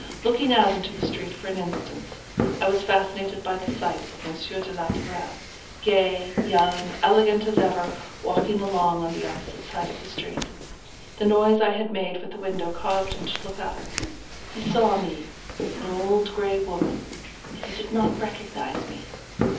Looking out into the street for an instant, I was fascinated by the sight of M. de la Tourelle, gay, young, elegant as ever, walking along on the opposite side of the street. The noise I had made with the window caused him to look up; he saw me, an old grey woman, and he did not recognize me!